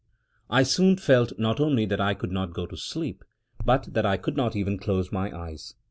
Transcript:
I soon felt not only that I could not go to sleep, but that I could not even close my eyes.